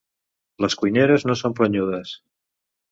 Les cuineres no són planyudes.